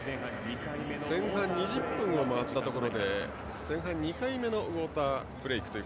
前半２０分を回ったところで前半２回目のウォーターブレイク。